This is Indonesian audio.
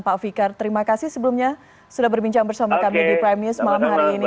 pak fikar terima kasih sebelumnya sudah berbincang bersama kami di prime news malam hari ini